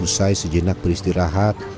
usai sejenak beristirahat